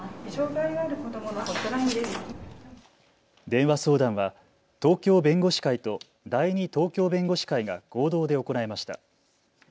電話相談は東京弁護士会と第二東京弁護士会が合同で行いました。